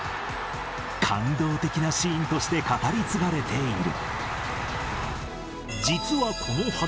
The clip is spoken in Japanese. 感動的なシーンとして語り継がれている。